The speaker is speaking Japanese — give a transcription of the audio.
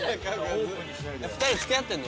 ２人は付き合ってんの？